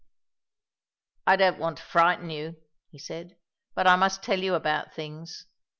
"I don't want to frighten you," he said, "but I must tell you about things.